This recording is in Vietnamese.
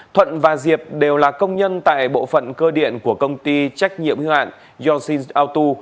thuận và diệp đều là công nhân tại bộ phận cơ điện của công ty trách nhiệm hưu hạn yosin auto